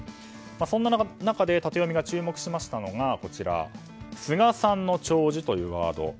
そんな中でタテヨミが注目しましたのが菅さんの弔辞というワード。